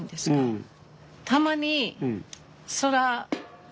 うん。